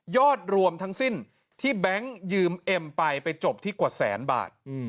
รวมทั้งสิ้นที่แบงค์ยืมเอ็มไปไปจบที่กว่าแสนบาท